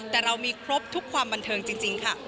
แต่เรามีครบทุกความบันเทิงจริงค่ะ